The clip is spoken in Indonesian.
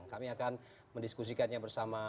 kami akan mendiskusikannya bersama